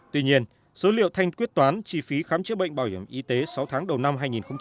tuy nhiên số liệu thanh quyết toán chi phí khám chữa bệnh bảo hiểm y tế sáu tháng đầu năm hai nghìn một mươi chín